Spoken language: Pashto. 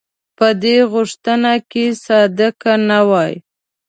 په دې غوښتنه کې صادق نه وای.